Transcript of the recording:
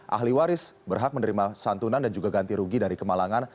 ahli waris berhak menerima santunan dan juga ganti rugi dari kemalangan